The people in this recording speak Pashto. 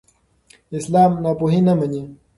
اسلام ناپوهي نه مني.